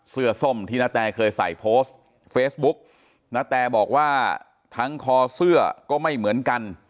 ส้มที่นาแตเคยใส่โพสต์เฟซบุ๊กณแตบอกว่าทั้งคอเสื้อก็ไม่เหมือนกัน